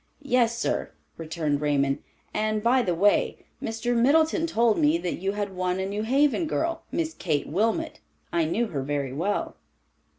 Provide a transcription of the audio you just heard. "Yes, sir," returned Raymond; "and by the way, Mr. Middleton told me that you had won a New Haven girl—Miss Kate Wilmot. I knew her very well."